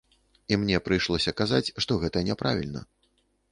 І мне прыйшлося казаць, што гэта няправільна.